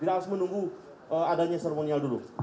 kita harus menunggu adanya seremonial dulu